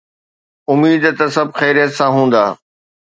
اميد ته سڀ خيريت سان هوندا.